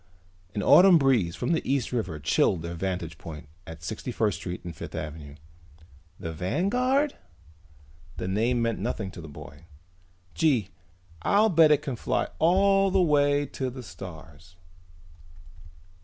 An autumn breeze from the East River chilled their vantage point at Sixty First Street and Fifth Avenue. "The Vanguard?" The name meant nothing to the boy. "Gee, I'll bet it can fly all the way to the stars!"